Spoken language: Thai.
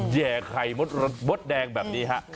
แย่ไข่มดแดงแบบนี้ครับ